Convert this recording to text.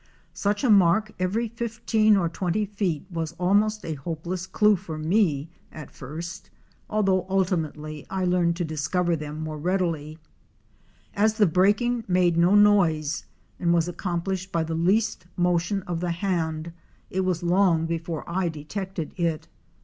Such a mark every fifteen or twenty feet was almost a hopeless clue for me at first, although ultimately I learned to discover them more readily. As the breaking made no noise and was accomplished by the least motion of the hand, it was long before I detected it.